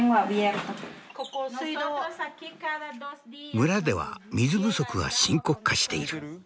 村では水不足が深刻化している。